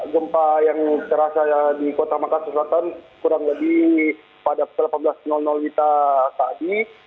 gempa yang terasa di kota makassar selatan kurang lebih pada delapan belas wita tadi